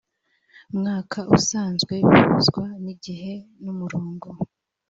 mwaka usanzwe bihuzwa n igihe n umurongo